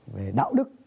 về đạo đức